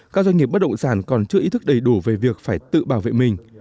các doanh nghiệp bất động sản còn chưa ý thức đầy đủ về việc phải tự bảo vệ mình